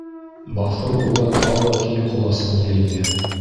Баҫыу уға тағы киң ҡоласын йәйҙе.